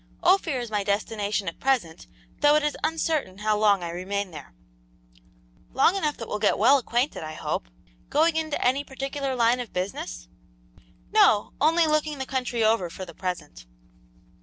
"Ophir is my destination at present, though it is uncertain how long I remain there." "Long enough, that we'll get well acquainted, I hope. Going into any particular line of business?" "No, only looking the country over, for the present."